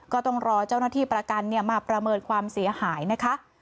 ก็ต้องรอเจ้าหน้าที่ประกันมาประเมินความเสียหายนะคะ